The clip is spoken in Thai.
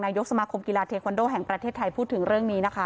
ยกสมาคมกีฬาเทคอนโดแห่งประเทศไทยพูดถึงเรื่องนี้นะคะ